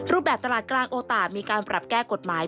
แบบตลาดกลางโอตามีการปรับแก้กฎหมาย